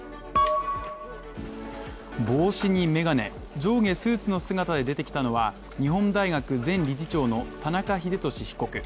帽子に眼鏡、上下スーツの姿で出てきたのは、日本大学前理事長の田中英寿被告。